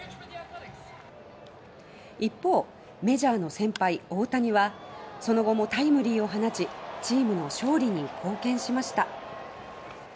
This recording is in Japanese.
一方、メジャーの先輩・大谷はその後もタイムリーを放ちチームの勝利に貢献しました。